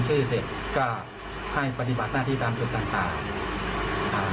ชื่อเสร็จก็ให้ปฏิบัติหน้าที่ตามจุดต่างต่างอ่า